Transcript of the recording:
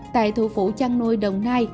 tại thủ phủ trăng nôi đồng nai